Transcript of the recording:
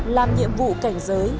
làm nhiệm vụ cảnh giới